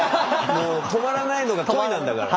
もう止まらないのが恋なんだから。